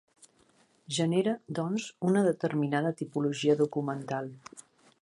Genera, doncs, una determinada tipologia documental.